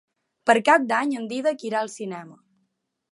Per Cap d'Any en Dídac irà al cinema.